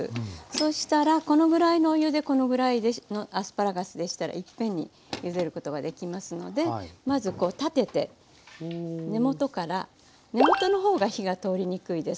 そしたらこのぐらいのお湯でこのぐらいのアスパラガスでしたらいっぺんにゆでることができますのでまずこう立てて根本から根本の方が火が通りにくいですのでまずここからゆでます。